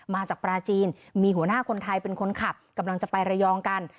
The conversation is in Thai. มาจากปลาจีนมีหัวหน้าคนไทยเป็นคนขับกำลังจะไประยองกัน